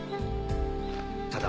ただ。